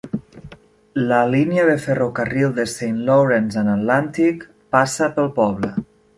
La línia de ferrocarril de Saint Lawrence and Atlantic passa pel poble.